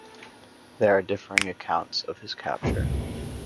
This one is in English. There are differing accounts of his capture.